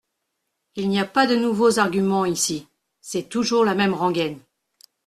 Il n’y a pas de nouveaux arguments ici : c’est toujours la même rengaine.